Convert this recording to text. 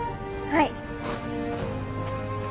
はい！